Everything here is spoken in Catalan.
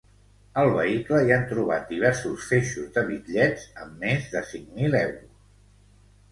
Al vehicle hi han trobat diversos feixos de bitllets amb més de cinc mil euros.